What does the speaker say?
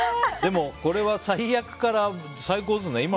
でも、これは最悪から最高ですね。